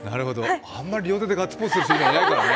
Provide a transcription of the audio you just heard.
あんまり両手でガッツポーズする人いないからね。